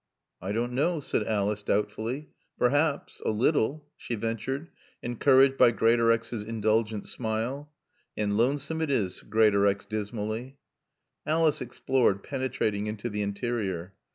"I don't know," said Alice doubtfully. "Perhaps a little," she ventured, encouraged by Greatorex's indulgent smile. "An' loansoom it is," said Greatorex dismally. Alice explored, penetrating into the interior.